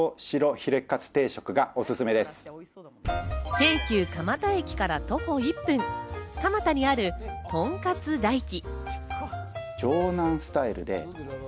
京急蒲田駅から徒歩１分、蒲田にある、とんかつ大希。